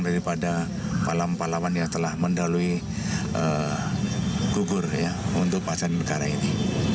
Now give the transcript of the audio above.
daripada pahlawan pahlawan yang telah mendalui gugur untuk pasangan negara ini